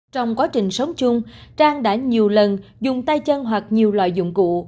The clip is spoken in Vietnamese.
trong quá trình sống chung trang đã nhiều lần dùng tay chân hoặc nhiều loại dụng cụ